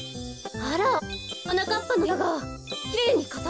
あらはなかっぱのへやがきれいにかたづいてる。